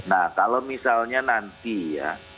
nah kalau misalnya nanti ya